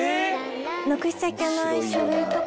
なくしちゃいけない書類とか。